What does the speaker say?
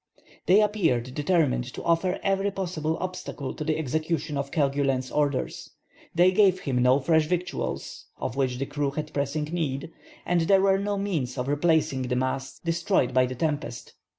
They appeared determined to offer every possible obstacle to the execution of Kerguelen's orders. They gave him no fresh victuals, of which the crew had pressing need, and there were no means of replacing the masts destroyed by the tempest.